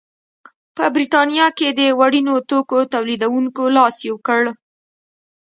په برېټانیا کې د وړینو توکو تولیدوونکو لاس یو کړ.